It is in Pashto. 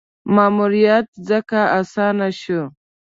ماموریت ځکه اسانه شو.